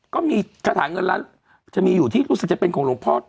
ก็มีคาถาเงินล้านจะมีอยู่ที่รู้สึกจะเป็นของหลวงพ่อ